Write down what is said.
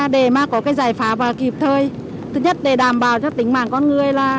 để có giải phá và kịp thời thứ nhất để đảm bảo tính mạng con người